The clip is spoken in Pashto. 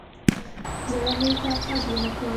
زړه مې طاقت ونکړ.